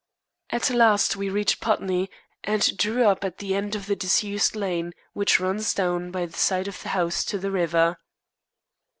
At last we reached Putney, and drew up at the end of the disused lane which runs down by the side of the house to the river.